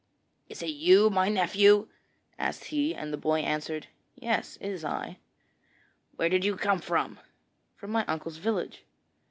'Is it you, my nephew?' asked he, and the boy answered: 'Yes; it is I.' 'Where did you come from?' 'From my uncle's village.'